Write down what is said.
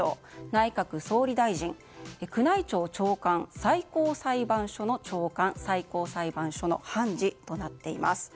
内閣総理大臣宮内庁長官、最高裁判所の長官最高裁判所の判事となっています。